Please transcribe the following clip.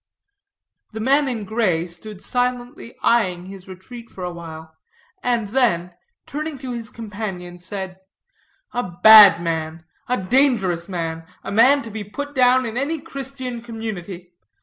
The man in gray stood silently eying his retreat a while, and then, turning to his companion, said: "A bad man, a dangerous man; a man to be put down in any Christian community.